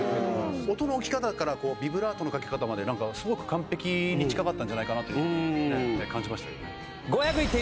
音の置き方からビブラートのかけ方まですごく完璧に近かったんじゃないかなと感じましたけどね。